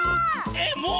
えっもう？